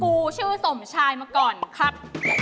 ครูชื่อสมชายมาก่อนครับ